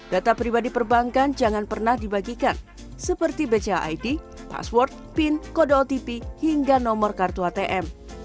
data pribadi perbankan jangan pernah dibagikan seperti bcid password pin kode otp hingga nomor kartu atm